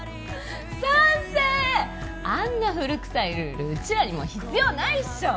賛成あんな古くさいルールうちらにもう必要ないっしょ